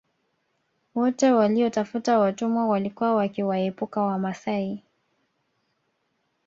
Wote waliotafuta watumwa walikuwa wakiwaepuka Wamasai